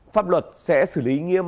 pháp luật sẽ xử lý nghiêm